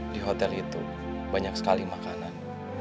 di hotel itu banyak sekali makanan